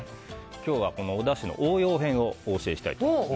今日は、おだしの応用編をお教えしたいと思います。